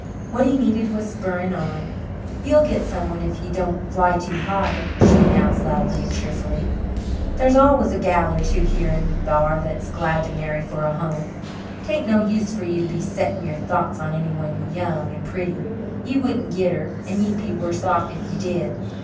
What he needed was spurring on. "Ye'll git someone if ye don't fly too high," she announced loudly and cheerfully. "Thar's always a gal or two here and thar that's glad to marry for a home. 'Tain't no use for you to be settin' your thoughts on anyone young and pretty. Ye wouldn't git her and ye'd be worse off if ye did.